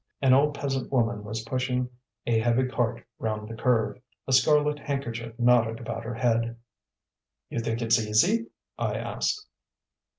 An old peasant woman was pushing a heavy cart round the curve, a scarlet handkerchief knotted about her head. "You think it's easy?" I asked.